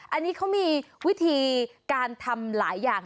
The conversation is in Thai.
อันนี้เขามีวิธีการทำหลายอย่าง